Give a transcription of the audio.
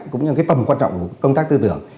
cũng như cái tầm quan trọng của công tác tư tưởng